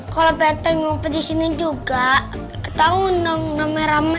kalau pak rete ngumpet di sini juga kita undang ramai ramai